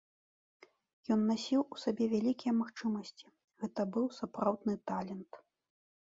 Ён насіў у сабе вялікія магчымасці, гэта быў сапраўдны талент.